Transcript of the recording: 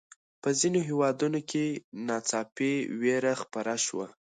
په ځینو هېوادونو کې ناڅاپي ویره خپره شوه.